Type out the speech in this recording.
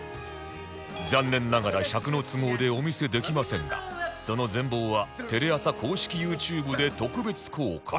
残念ながら尺の都合でお見せできませんがその全貌はテレ朝公式 ＹｏｕＴｕｂｅ で特別公開